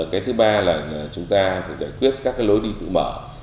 cái thứ ba là chúng ta phải giải quyết các cái lối đi tự mở